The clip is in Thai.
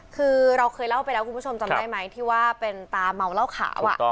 คือเราเคยเล่าไปแล้วคุณผู้ชมจำได้ไหมที่ว่าเป็นตาเมาเหล้าขาว